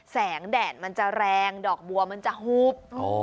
แดดมันจะแรงดอกบัวมันจะหุบ